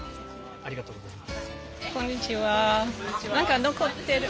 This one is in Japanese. ありがとうございます。